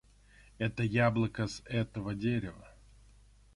Это яблоко с этого дерева!